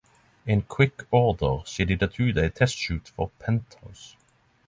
In quick order, she did a two-day test shoot for "Penthouse".